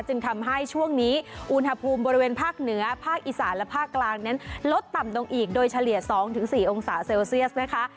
จึงทำให้ช่วงนี้อุณหภูมิบริเวณภาคเหนือภาคอีสานและภาคกลางนั้นลดต่ำลงอีกโดยเฉลี่ย๒๔องศาเซลเซียสนะคะ